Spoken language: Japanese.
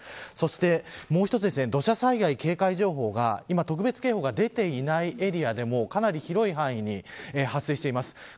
そして、もう一つ土砂災害警戒情報が今、特別警報が出ていないエリアでもかなり広い範囲に発生しています。